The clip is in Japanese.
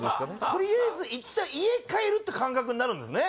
とりあえずいったん家へ帰るって感覚になるんですね